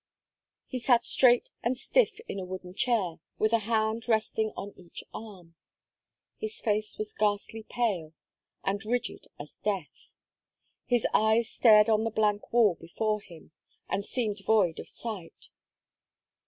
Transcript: He sat straight and stiff in a wooden chair, with a hand resting on each arm. His face was ghastly pale, and rigid as death; his eyes stared on the blank wall before him, and seemed void of sight.